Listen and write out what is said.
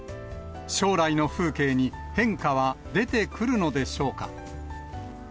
将来の風景に変化は出てくるのでしょうか。